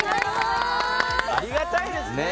ありがたいですね。